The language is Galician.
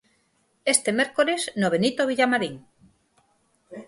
Este mércores no Benito Villamarín.